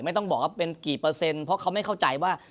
ต้องบอกว่าเป็นกี่เปอร์เซ็นต์เพราะเขาไม่เข้าใจว่า